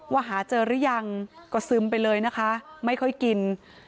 ว่าหาเจอหรือยังก็ซึมไปเลยนะคะไม่ค่อยกิน